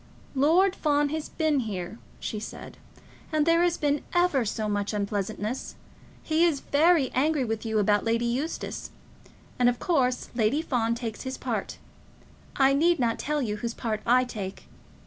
"Lord Fawn has been here," she said, "and there has been ever so much unpleasantness. He is very angry with you about Lady Eustace, and of course Lady Fawn takes his part. I need not tell you whose part I take.